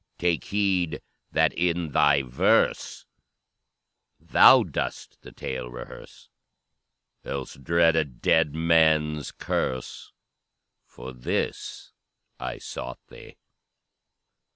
Take heed, that in thy verse Thou dost the tale rehearse, Else dread a dead man's curse; For this I sought thee.